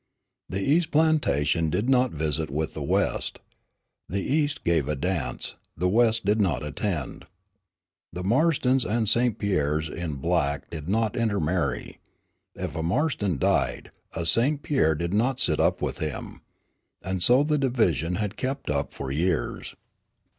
The east plantation did not visit with the west. The east gave a dance, the west did not attend. The Marstons and St. Pierres in black did not intermarry. If a Marston died, a St. Pierre did not sit up with him. And so the division had kept up for years.